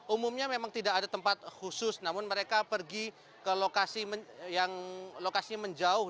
umumnya memang tidak ada tempat khusus namun mereka pergi ke lokasi yang lokasinya menjauh